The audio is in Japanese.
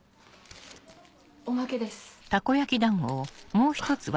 おまけです。